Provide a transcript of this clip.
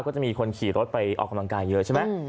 ก็จะมีคนขี่รถไปออกกำลังกายเยอะใช่ไหม